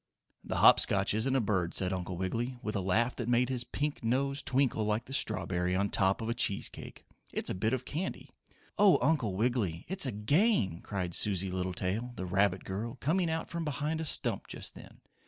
"The Hop Scotch isn't a bird," said Uncle Wiggily, with a laugh that made his pink nose twinkle like the strawberry on top of a cheese cake. "It's a bit of candy." "Oh, Uncle Wiggily! It's a game!" cried Susie Littletail, the rabbit girl, coming out from behind a stump just then.